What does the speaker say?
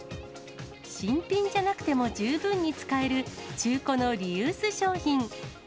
新品じゃなくても十分に使える中古のリユース商品。